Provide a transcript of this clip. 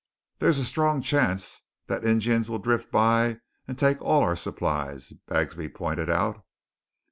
"There's a strong chance that Injuns will drift by and take all our supplies," Bagsby pointed out.